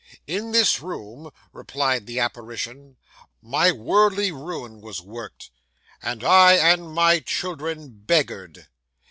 "In this room," replied the apparition, "my worldly ruin was worked, and I and my children beggared.